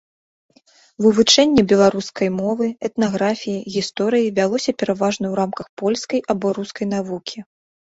Вывучэнне беларускай мовы, этнаграфіі, гісторыі вялося пераважна ў рамках польскай або рускай навукі.